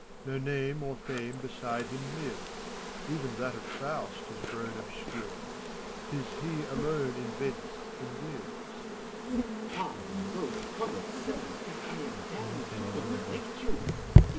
No name or fame beside him lives : Even that of Faust has grown obscurer; 'T is he alone invents and gives. FAMULUS. Pardon, most honored Sir! if I am daring To contradict you, in